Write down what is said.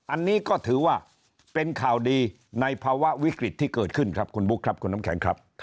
อันนี้ก็ถือว่าเป็นข่าวดีในภาวะวิกฤตที่เกิดขึ้นครับคุณบุ๊คครับคุณน้ำแข็งครับ